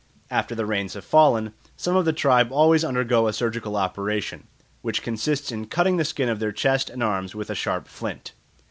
After the rains have fallen, some of the tribe always undergo a surgical operation, which consists in cutting the skin of their chest and arms with a sharp flint.